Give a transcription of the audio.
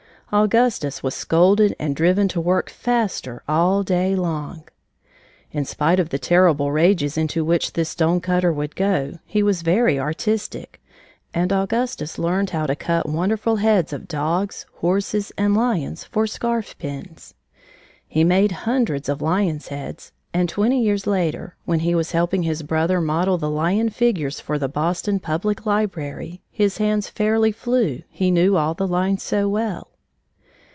Augustus was scolded and driven to work faster all day long. In spite of the terrible rages into which this stonecutter would go, he was very artistic, and Augustus learned how to cut wonderful heads of dogs, horses, and lions, for scarf pins. He made hundreds of lions' heads, and twenty years later, when he was helping his brother model the lion figures for the Boston Public Library, his hands fairly flew, he knew all the lines so well.